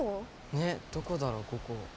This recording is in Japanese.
ねどこだろここ？